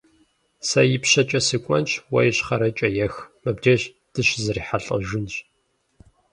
Сэ ипщэкӀэ сыкӀуэнщ, уэ ищхъэрэкӀэ ех, мыбдеж дыщызэрихьэлӀэжынщ.